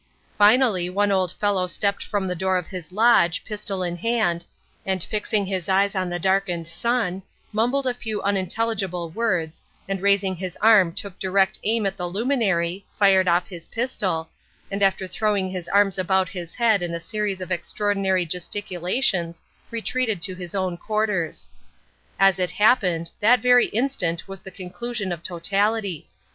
Finally one old fellow stepped from the door of his lodge, pistol in hand, and fixing his eyes on the darkened Sun, mumbled a few unintelligible words and raising his arm took direct aim at the luminary, fired off his pistol, and after throwing his arms about his head in a series of extraordinary gesticulations retreated to his own quarters. As it happened, that very instant was the conclusion of totality.